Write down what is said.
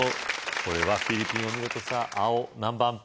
これはフィリピンお見事さぁ青何番？